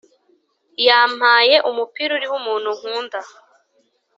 Yambaye umupira uriho umuntu nkunda